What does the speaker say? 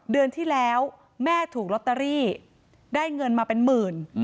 เดือนที่แล้วแม่ถูกลอตเตอรี่ได้เงินมาเป็นหมื่น